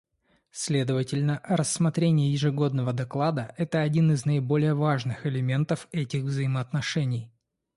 Следовательно, рассмотрение ежегодного доклада — это один из наиболее важных элементов этих взаимоотношений.